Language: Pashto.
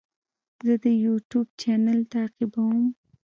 زه د یوټیوب چینل تعقیبوم.